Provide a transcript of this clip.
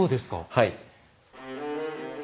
はい。